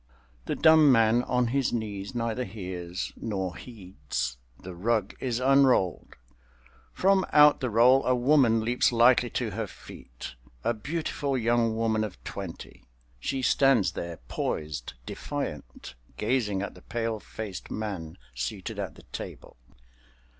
The dumb man on his knees neither hears nor heeds. The rug is unrolled. From out the roll a woman leaps lightly to her feet—a beautiful young woman of twenty. She stands there, poised, defiant, gazing at the pale faced man seated at the table.